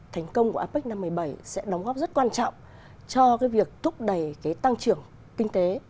thành công của apec hai nghìn một mươi bảy sẽ đóng góp rất quan trọng cho cái việc thúc đẩy cái tăng trưởng kinh tế